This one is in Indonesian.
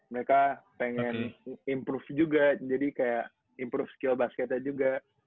mereka pengen improve juga jadi kayak improve skill basketnya juga